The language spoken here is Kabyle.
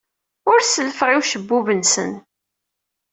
Ur sellfeɣ i ucebbub-nsen.